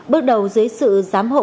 bước đầu dưới sự giám hộ